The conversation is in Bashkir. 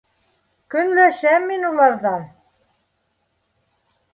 Көнләшәм мин уларҙан.